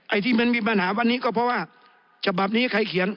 ที่มันมีปัญหาวันนี้ก็เพราะว่าฉบับนี้ใครเขียน